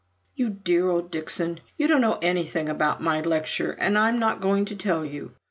"You dear old Dixon, you don't know anything about my lecture, and I'm not going to tell you.